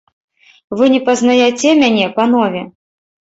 Вы не пазнаяце мяне, панове?